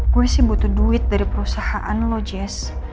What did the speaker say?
gue sih butuh duit dari perusahaan lo jess